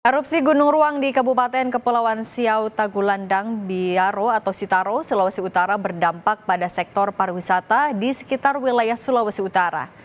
erupsi gunung ruang di kabupaten kepulauan siau tagulandang diaro atau sitaro sulawesi utara berdampak pada sektor pariwisata di sekitar wilayah sulawesi utara